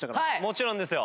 もちろんですよ。